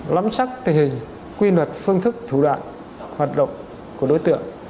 lắm chắc thể hình quy luật phương thức thủ đoạn hoạt động của đối tượng